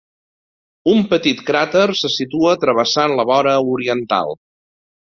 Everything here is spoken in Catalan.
Un petit cràter se situa travessant la vora oriental.